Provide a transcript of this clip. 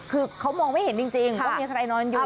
คือเขามองไม่เห็นจริงว่ามีใครนอนอยู่